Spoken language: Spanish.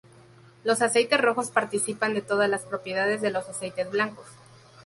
Los aceites rojos participan de todas las propiedades de los aceites blancos.